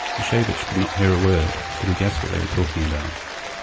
Rashevitch could not hear a word, but he guessed what they were talking about.